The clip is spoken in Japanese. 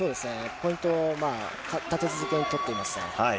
ポイントを立て続けに取っていますね。